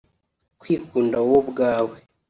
Kwikunda wowe ubwawe